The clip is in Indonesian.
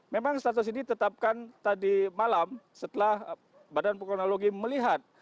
memang status ini tetapkan tadi malam setelah badan pukul analogi melihat